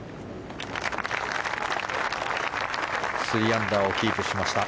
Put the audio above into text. ３アンダーをキープしました。